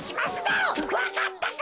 わかったか！